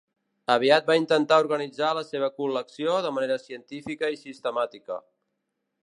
Aviat va intentar organitzar la seva col·lecció de manera científica i sistemàtica.